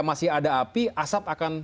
masih ada api asap akan